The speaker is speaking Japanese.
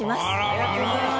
ありがとうございます。